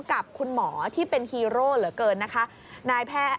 กับคุณหมอที่เป็นฮีโร่เหลือเกินนะคะ